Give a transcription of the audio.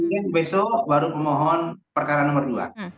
kemudian besok baru pemohon perkara nomor dua